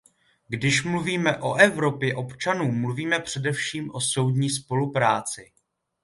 Když mluvíme o Evropě občanů, mluvíme především o soudní spolupráci.